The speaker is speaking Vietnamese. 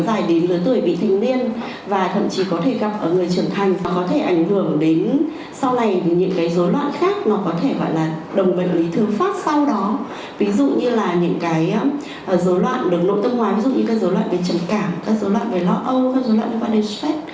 ví dụ như là những cái dối loạn được nội tâm ngoài ví dụ như các dối loạn về chầm cảm các dối loạn về lo âm